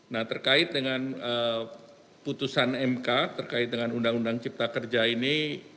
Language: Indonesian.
nah terkait dengan putusan mk terkait dengan undang undang cipta kerja ini